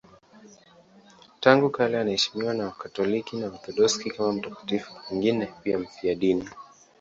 Tangu kale anaheshimiwa na Wakatoliki na Waorthodoksi kama mtakatifu, pengine pia mfiadini.